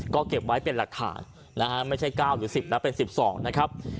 ก็เก็บไว้เป็นหลักฐานไม่ใช่เก้าหรือสิบแล้วเป็นสิบสองนะครับ